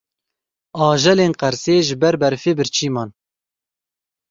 Ajelên Qersê ji ber berfê birçî man.